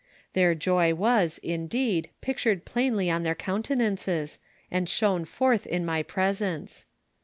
Their joy was, indeed, pictured plainly on their countenances, and shone forth in my presence.